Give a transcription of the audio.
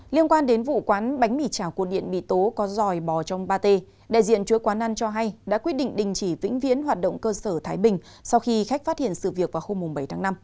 liên quan đến vụ quán bánh mì trào cột điện bị tố có dòi bò trong ba t đại diện chúa quán ăn cho hay đã quyết định đình chỉ vĩnh viễn hoạt động cơ sở thái bình sau khi khách phát hiện sự việc vào hôm bảy tháng năm